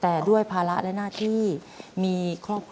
ทำงานชื่อนางหยาดฝนภูมิสุขอายุ๕๔ปี